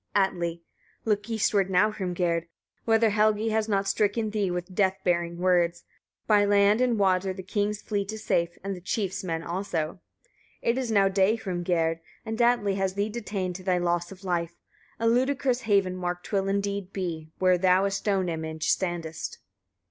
Atli. 29. Look eastward now, Hrimgerd! whether Helgi has not stricken thee with death bearing words. By land and water the king's fleet is safe, and the chief's men also. 30. It is now day, Hrimgerd! and Atli has thee detained to thy loss of life. A ludicrous haven mark 'twill, indeed, be, where thou a stone image standest.